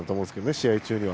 試合中には。